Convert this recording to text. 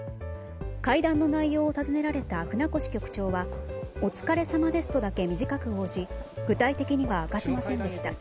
会談の内容を尋ねられた船越局長はお疲れさまですとだけ短く応じ具体的には応じませんでした。